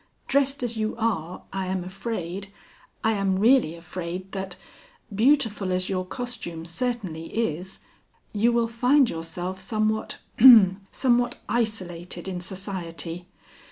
Dressed as you are, I am afraid, I am really afraid that beautiful as your costume certainly is you will find yourself somewhat, ahem, somewhat isolated in society.